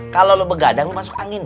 kalau lo begadang lo masuk angin